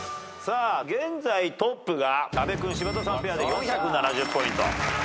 現在トップが阿部君・柴田さんペアで４７０ポイント。